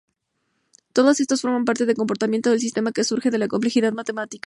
Todas estas son formas de comportamiento del sistema que surgen de la complejidad matemática.